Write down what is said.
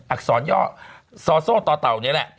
อักษรย่อซอโซ่ต่อเต่านี่แหละ